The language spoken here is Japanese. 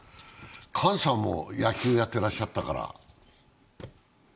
姜さんも野球やっていらっしゃったから。